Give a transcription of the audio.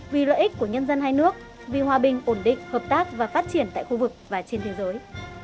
vì lợi ích của nhân dân hai nước vì hòa bình ổn định hợp tác và phát triển tại khu vực và trên thế giới